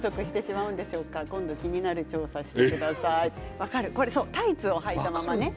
分かる、タイツをはいたまま。